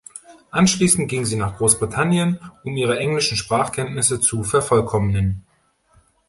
Anschließend ging sie nach Großbritannien, um ihre englischen Sprachkenntnisse zu vervollkommnen.